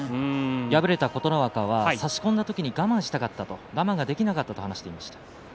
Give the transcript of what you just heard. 敗れた琴ノ若は差し込んだ時我慢したかった我慢できなかったと話していました。